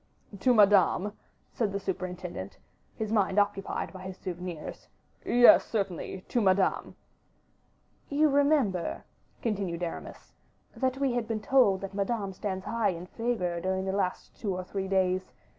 "To Madame," said the superintendent, his mind occupied by his souvenirs. "Yes, certainly, to Madame." "You remember," continued Aramis, "that we have been told that Madame stands high in favor during the last two or three days.